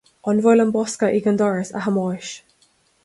An bhfuil an bosca ag an doras, a Thomáis